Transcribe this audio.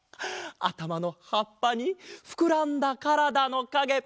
あたまのはっぱにふくらんだからだのかげ。